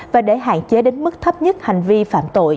và để hạn chế đến mức thấp nhất hành vi phạm tội